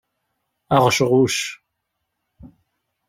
Aɣecɣuc.